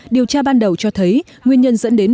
điều tra ban đầu cho thấy nguyên nhân dẫn đến